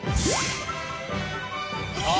ああ！